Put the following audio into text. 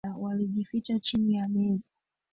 Walijificha chini ya meza.